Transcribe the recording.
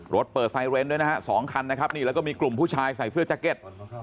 เปิดไซเรนด้วยนะฮะสองคันนะครับนี่แล้วก็มีกลุ่มผู้ชายใส่เสื้อแจ็คเก็ต